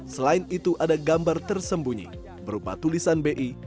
selain itu ada gambar tersembunyi berupa tulisan bi